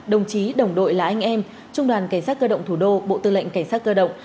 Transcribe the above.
đồng chí đồng đội là anh em trung đoàn cảnh sát cơ động thủ đô bộ tư lệnh cảnh sát cơ động